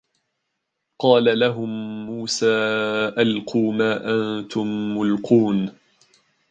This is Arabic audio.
قالَ لَهُم موسى أَلقوا ما أَنتُم مُلقونَ